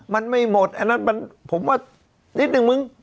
มันไม่หมดผมว่านิดนึงมึง